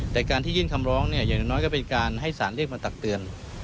แต่การที่ยื่นคำร้องเนี่ยอย่างน้อยก็เป็นการให้สารเรียกมาตักเตือน